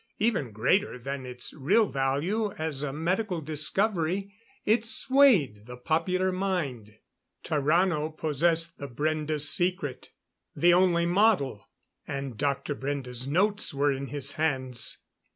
Even greater than its real value as a medical discovery, it swayed the popular mind. Tarrano possessed the Brende secret. The only model, and Dr. Brende's notes were in his hands.